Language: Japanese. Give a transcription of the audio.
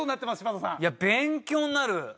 いや勉強になる！